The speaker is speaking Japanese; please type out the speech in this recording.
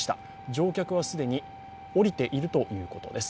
乗客は既に降りているということです。